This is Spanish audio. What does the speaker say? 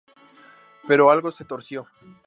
Pero algo se torció.